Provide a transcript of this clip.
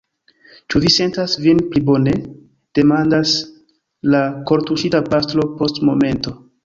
Ĉu vi sentas vin pli bone? demandas la kortuŝita pastro post momento.